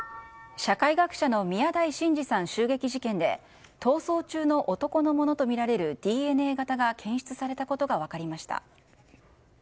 社会学者の宮台真司さん襲撃事件で逃走中の男のものとみられるＤＮＡ型が検出されたことが分かりました。